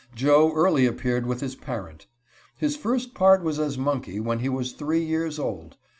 Joe early appeared with his parent. His first part was as monkey, when he was three years old.